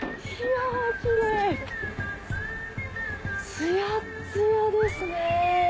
つやっつやですね。